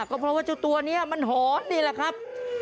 ก็เพราะว่าเจ้าตัวนี้มันหอนนี่แหละครับ